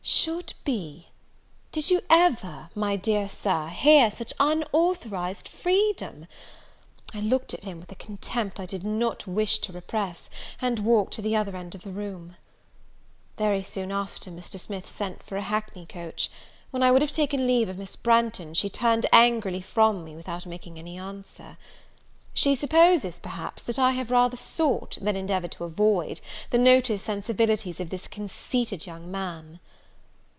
Should be! did you ever, my dear Sir, hear such unauthorised freedom? I looked at him with a contempt I did not wish to repress, and walked to the other end of the room. Very soon after Mr. Smith sent for a hackney coach. When I would have taken leave of Miss Branghton, she turned angrily from me, without making any answer. She supposes, perhaps, that I have rather sought, than endeavoured to avoid, the notice and civilities of this conceited young man.